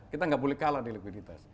kita nggak boleh kalah di likuiditas